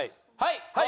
はい！